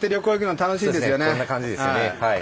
こんな感じですねはい。